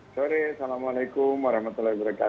sore assalamualaikum wr wb